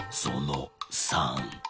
その３。